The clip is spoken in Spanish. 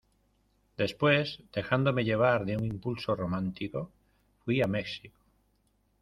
después, dejándome llevar de un impulso romántico , fuí a México.